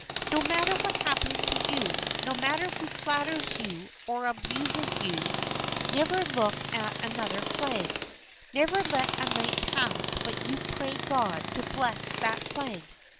No matter what happens to you, no matter who flatters you or who abuses you, never look at another flag, never let a night pass but you pray God to bless that flag.